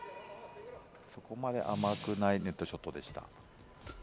そこまで甘くないネットショットでした。